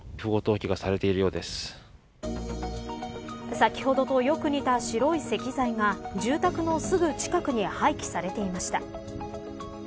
先ほどとよく似た白い石材が住宅のすぐ近くに廃棄されていました。